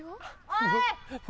おい！